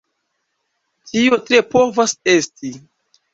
Tio tre povas esti.